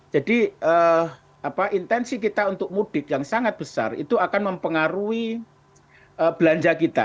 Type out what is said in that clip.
jadi intensi kita untuk mudik yang sangat besar itu akan mempengaruhi belanja kita